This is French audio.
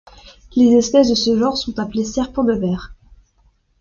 Les espèces de ce genre sont appelées Serpents de verre.